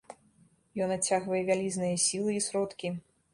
Ён адцягвае вялізныя сілы і сродкі.